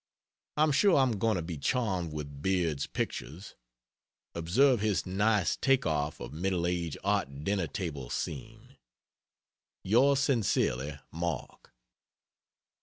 I'm sure I'm going to be charmed with Beard's pictures. Observe his nice take off of Middle Age art dinner table scene. Ys sincerely MARK.